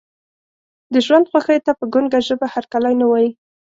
د ژوند خوښیو ته په ګونګه ژبه هرکلی نه وایي.